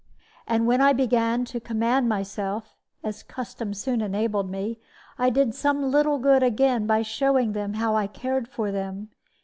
And when I began to command myself (as custom soon enabled me), I did some little good again by showing them how I cared for them.